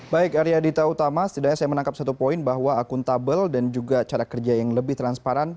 baik arya dita utama setidaknya saya menangkap satu poin bahwa akuntabel dan juga cara kerja yang lebih transparan